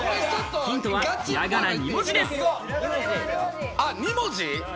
ヒントは、ひらがな２文字です。